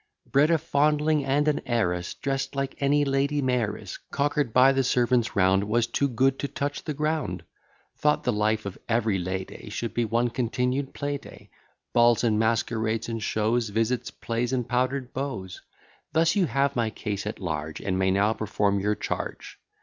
Bred a fondling and an heiress; Drest like any lady mayoress: Cocker'd by the servants round, Was too good to touch the ground; Thought the life of every lady Should be one continued play day Balls, and masquerades, and shows, Visits, plays, and powder'd beaux. Thus you have my case at large, And may now perform your charge.